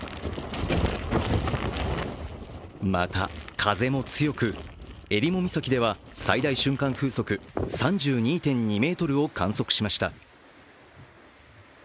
また風も強く、えりも岬では最大瞬間風速３２．２メートルを観測しました。